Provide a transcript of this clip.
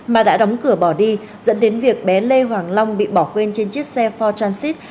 mà đã đóng cửa bỏ đi dẫn đến việc bé lê hoàng long bị bỏ quên trên chiếc xe for transit